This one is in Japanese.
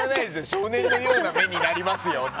少年のような目になりますよって。